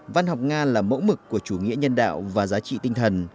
văn học nga là mẫu mực của chủ nghĩa nhân đạo và giá trị tinh thần